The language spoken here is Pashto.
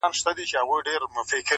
څومره له حباب سره ياري کوي.